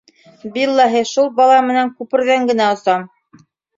Биллаһи, шул бала менән күперҙән генә осам!